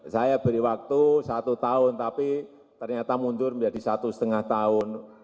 saya beri waktu satu tahun tapi ternyata mundur menjadi satu setengah tahun